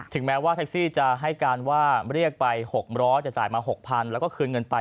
แม้ว่าแท็กซี่จะให้การว่าเรียกไป๖๐๐จะจ่ายมา๖๐๐๐แล้วก็คืนเงินไป